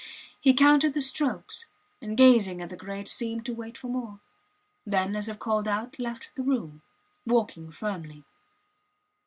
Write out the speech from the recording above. He counted the strokes, and gazing at the grate seemed to wait for more. Then, as if called out, left the room, walking firmly.